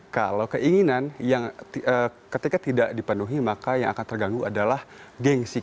kalau keinginan ketika tidak dipenuhi maka yang akan terganggu adalah gengsi